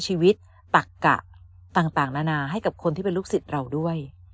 ชีวิตตักกะต่างนานาให้กับคนที่เป็นลูกศิษย์เราด้วย